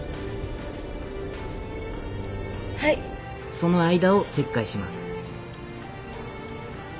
その間を切開します。